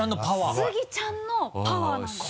スギちゃんのパワーなんです。